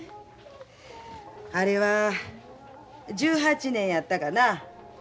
あれは１８年やったかな。